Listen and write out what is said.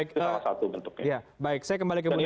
itu salah satu bentuknya